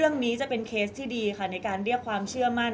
มิวยังมีเจ้าหน้าที่ตำรวจอีกหลายคนที่พร้อมจะให้ความยุติธรรมกับมิว